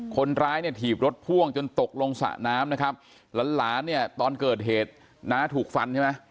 คนร้ายเนี่ยถีบรถพ่วงจนตกลงสระน้ำนะครับหลานหลานเนี่ยตอนเกิดเหตุน้าถูกฟันใช่ไหม